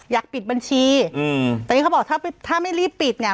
อยากปิดบัญชีอืมแต่นี่เขาบอกถ้าถ้าไม่รีบปิดเนี่ย